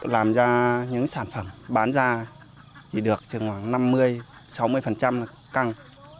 làm ra những sản phẩm bán ra chỉ được khoảng năm mươi sáu mươi là căng